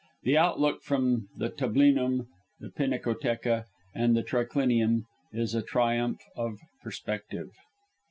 The outlook from tablinum, pinacotheca, and triclinium is a triumph of perspective.